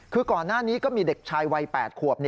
คือก่อนหน้านี้ก็มีเด็กชายวัย๘ขวบ